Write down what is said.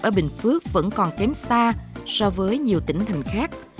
ở bình phước vẫn còn kém xa so với nhiều tỉnh thành khác